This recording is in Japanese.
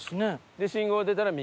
で信号出たら右。